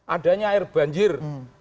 adanya air banjir